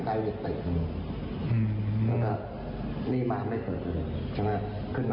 เท่าที่เนี่ยจะถึงจังได้เหนือเตะ